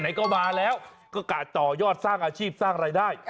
ไหนก็มาแล้วก็กะต่อยอดสร้างอาชีพสร้างรายได้